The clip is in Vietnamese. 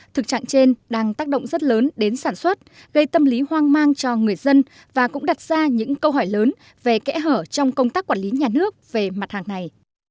thực trạng trên đang tác động rất lớn đến sản xuất gây tâm lý hoang mang cho người dân và cũng đặt ra những câu hỏi lớn về kẽ hở trong công tác quản lý nhà nước về mặt hàng này